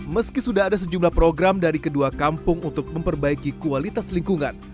meski sudah ada sejumlah program dari kedua kampung untuk memperbaiki kualitas lingkungan